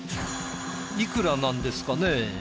いくらなんですかね？